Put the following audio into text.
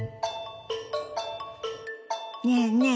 ねえねえ